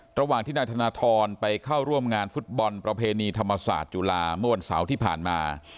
ระหว่างที่นายธนทรไปเข้าร่วมงานฟุตบอลประเพณีธรรมศาสตร์จุฬาเมื่อวันเสาร์ที่ผ่านมา